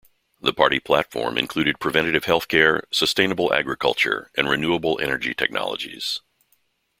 The party platform included preventive health care, sustainable agriculture and renewable energy technologies.